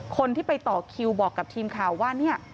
คนที่ไปต่อคิวบอกกับทีมข่าวว่าเนี่ย